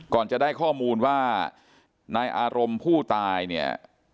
ก่อนจะได้ข้อมูลว่านายอารมณ์ผู้ตายเนี่ย